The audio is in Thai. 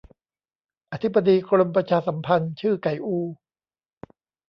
อธิบดี กรมประชาสัมพันธ์ ชื่อ ไก่อู